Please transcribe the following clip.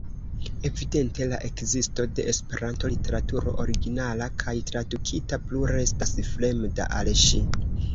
Evidente la ekzisto de Esperanto-literaturo, originala kaj tradukita, plu restas fremda al ŝi.